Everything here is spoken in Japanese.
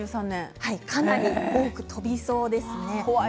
かなり多く飛びそうです。